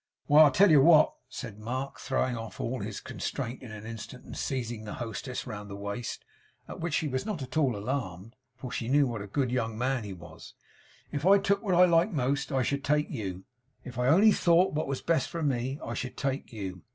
'Why, I tell you what,' said Mark, throwing off all his constraint in an instant and seizing the hostess round the waist at which she was not at all alarmed, for she knew what a good young man he was 'if I took what I liked most, I should take you. If I only thought what was best for me, I should take you.